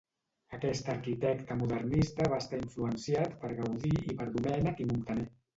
Aquest arquitecte modernista va estar influenciat per Gaudí i per Domènec i Muntaner.